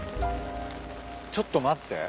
ちょっと待って。